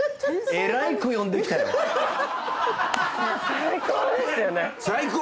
最高ですよね。